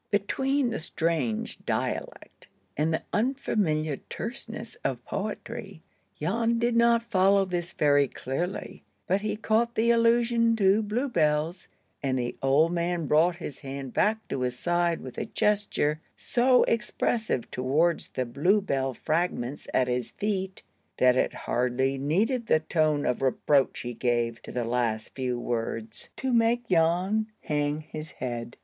Between the strange dialect and the unfamiliar terseness of poetry, Jan did not follow this very clearly, but he caught the allusion to bluebells, and the old man brought his hand back to his side with a gesture so expressive towards the bluebell fragments at his feet, that it hardly needed the tone of reproach he gave to the last few words—"left on the path to die"—to make Jan hang his head.